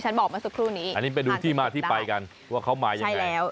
อันนี้ไปดูที่มาที่ไปกันว่าเขามาอย่างไร